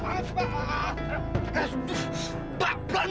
bang pelan pelan dong